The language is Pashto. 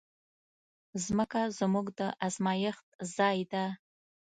مځکه زموږ د ازمېښت ځای ده.